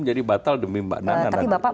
jadi batal demi mbak nana tapi bapak